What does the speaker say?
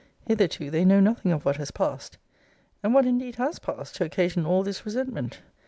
Hitherto they know nothing of what has passed. And what indeed has passed to occasion all this resentment?